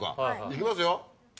いきますよ。